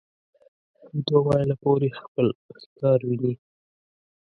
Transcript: دوه مایله پورې خپل ښکار ویني.